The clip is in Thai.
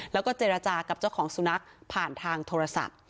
แล้วก็เจรจากับเจ้าของสุนัขผ่านทางโทรศัพท์